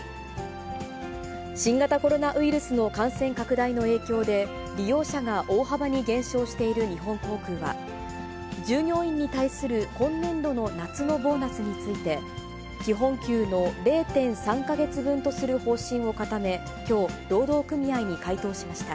新型コロナウイルスの感染拡大の影響で、利用者が大幅に減少している日本航空は、従業員に対する今年度の夏のボーナスについて、基本給の０．３か月分とする方針を固め、きょう、労働組合に回答しました。